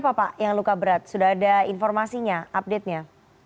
apa pak yang luka berat sudah ada informasinya update nya